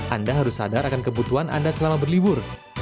anda harus sadar akan kebutuhan anda selama berlibur